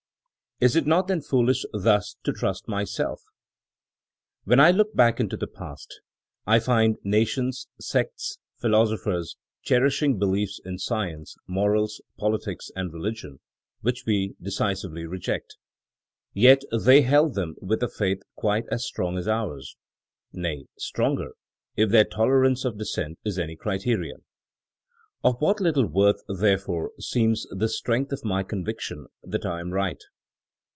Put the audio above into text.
Is it not then foolish thus to trust myself ? When I look baxjk into the past, I find nations, sects, philosophers, cherishing be liefs in science, morals, politics, and religion, which we decisively reject. Yet they held them with a faith quite as strong as ours; nay — stronger, if their intolerance of dissent is any criterion. Of what little worth, therefore, seems this strength of my conviction that I am right?